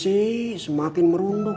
semakin berisi semakin merunduk